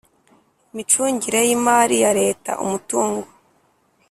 Imicungire y imari ya leta umutungo